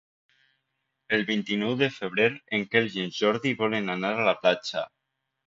El vint-i-nou de febrer en Quel i en Jordi volen anar a la platja.